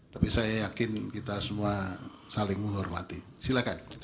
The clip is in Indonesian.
tapi saya yakin kita semua saling menghormati silakan